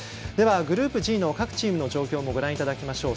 グループＧの各チームの状況もご覧いただきましょう。